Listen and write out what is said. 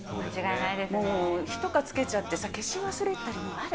もう火とかつけちゃってさ、消し忘れたりとかもある。